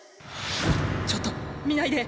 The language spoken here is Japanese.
ちょっと見ないで。